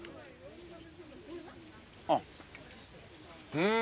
うん。